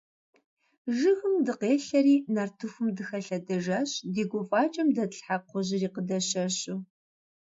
Жыгым дыкъелъэри нартыхум дыхэлъэдэжащ, ди гуфӀакӀэм дэтлъхьа кхъужьри къыдэщэщу.